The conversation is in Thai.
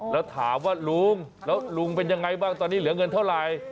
แล้วถามว่าลุงแล้วลุงเป็นยังไงบ้างตอนนี้เหลือเงินเท่าไหร่